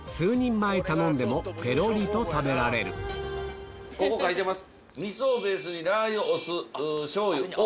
前頼んでもペロリと食べられるここ書いてます。